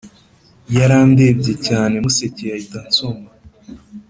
Yarandebye cyane musekeye ahita ansoma